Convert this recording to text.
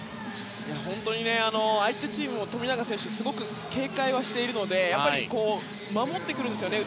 本当に相手チームも富永選手をすごく警戒はしているので守ってくるんですね